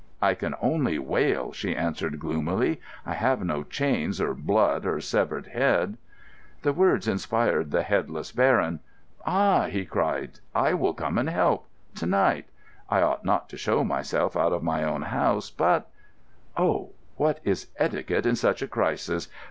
"I can only wail," she answered gloomily; "I have no chains, or blood, or severed head——" The words inspired the headless Baron. "Ah," he cried, "I will come and help—to night. I ought not to show myself out of my own house, but——" "Oh, what is etiquette in such a crisis?